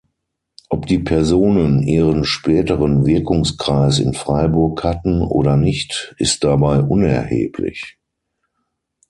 Ob die Personen ihren späteren Wirkungskreis in Freiburg hatten oder nicht, ist dabei unerheblich.